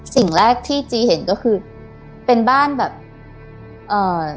สิ่งแรกที่จีเห็นก็คือเป็นบ้านแบบเอ่อ